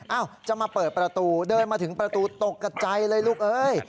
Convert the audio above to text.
จะมาเปิดประตูเดินมาถึงประตูตกกระจายเลยลูกเอ้ย